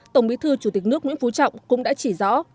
tổng bí thư chủ tịch nước nguyễn phú trọng cũng đã chỉ rõ